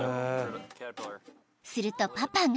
［するとパパが］